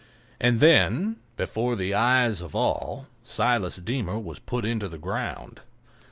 And then, before the eyes of all, Silas Deemer was put into the ground.